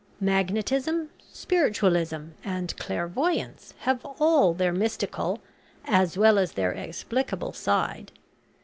Magnetism, spiritualism, and clairvoyance have all their mystical, as well as their explicable, side.